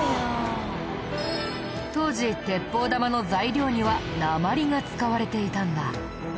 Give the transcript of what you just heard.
当時鉄砲玉の材料には鉛が使われていたんだ。